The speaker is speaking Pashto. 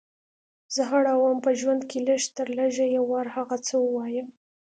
زه اړه وم په ژوند کې لږ تر لږه یو وار هغه څه ووایم.